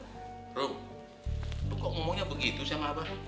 rum lu kok ngomongnya begitu sama abah